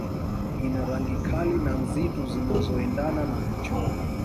Ina rangi kali na nzitu zinazoendana na michoro